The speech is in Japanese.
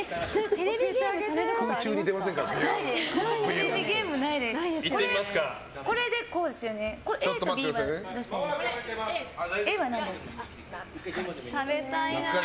テレビゲームされることありますか？